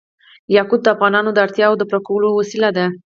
یاقوت د افغانانو د اړتیاوو د پوره کولو وسیله ده.